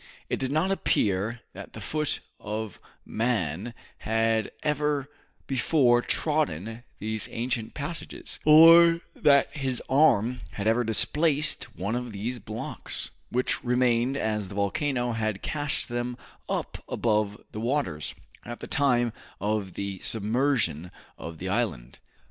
It did not appear that the foot of man had ever before trodden these ancient passages, or that his arm had ever displaced one of these blocks, which remained as the volcano had cast them up above the waters, at the time of the submersion of the island.